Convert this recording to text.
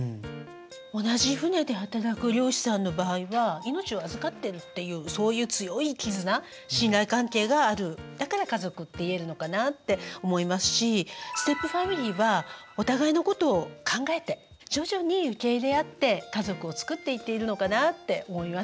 同じ船で働く漁師さんの場合は命を預かってるっていうそういう強い絆信頼関係があるだから家族って言えるのかなって思いますしステップファミリーはお互いのことを考えて徐々に受け入れ合って家族を作っていっているのかなって思いました。